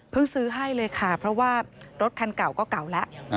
ซื้อให้เลยค่ะเพราะว่ารถคันเก่าก็เก่าแล้ว